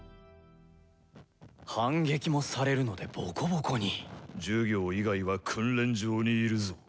反撃もされるのでボコボコに。授業以外は訓練場にいるぞ。